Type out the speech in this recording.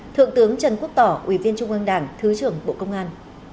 thượng tướng trần quốc tỏ ủy viên trung ương đảng thứ trưởng bộ công an